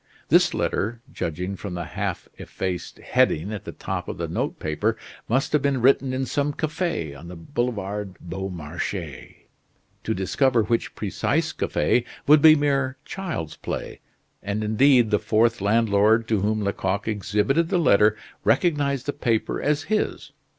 This letter, judging from the half effaced heading at the top of the note paper, must have been written in some cafe on the Boulevard Beaumarchais. To discover which precise cafe would be mere child's play; and indeed the fourth landlord to whom Lecoq exhibited the letter recognized the paper as his.